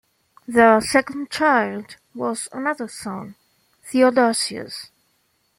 Their second child was another son, Theodosius.